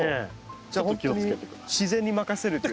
ちょっと気をつけて下さい。